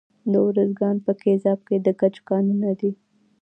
د ارزګان په ګیزاب کې د ګچ کانونه دي.